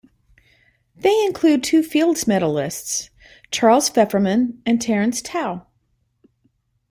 They include two Fields medalists, Charles Fefferman and Terence Tao.